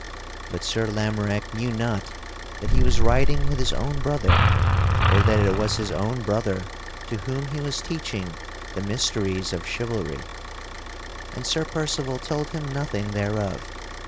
But Sir Lamorack knew not that he was riding with his own brother or that it was his own brother to whom he was teaching the mysteries of chivalry, and Sir Percival told him nothing thereof.